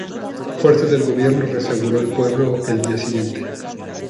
Fuerzas del gobierno re-aseguró el pueblo el día siguiente.